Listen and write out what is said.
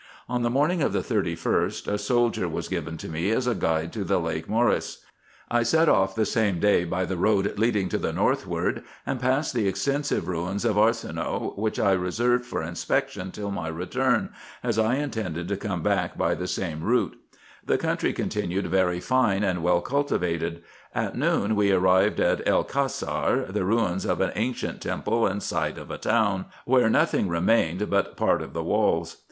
On the morning of the 31st, a soldier was given to me as a guide to the Lake Mceris. I set off the same day by the road leading to the northward, and passed the extensive ruins of Arsinoe, which I reserved for inspection till my return, as I intended to 3 c 2 380 RESEARCHES AND OPERATIONS come back by tbe same route. The country continued very fine and well cultivated. At noon we arrived at El Cassar, the ruins of an ancient temple, and site of a town, where nothing remained but part of the walls.